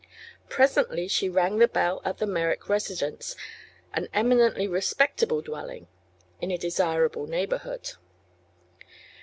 Presently she rang the bell at the Merrick residence, an eminently respectable dwelling; in a desirable neighborhood.